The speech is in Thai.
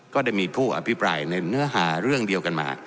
ก็ได้มีผู้อภิปรายในเนื้อหาเรื่องเดียวกันมา